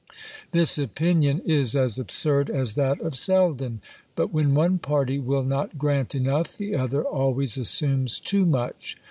This opinion is as absurd as that of Selden: but when one party will not grant enough, the other always assumes too much.